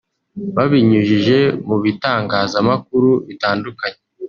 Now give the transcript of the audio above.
Babinyujije mu bitangazamakuru bitandukanye